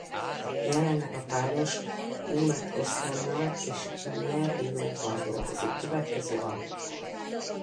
Jelenleg a páros Ummet Ozcan-nal és Ne-Yo-val dolgozik következő albumukon.